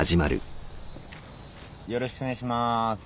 よろしくお願いします。